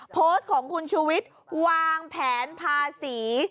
โพสต์ของคุณชูวิทย์วางแผนภาษี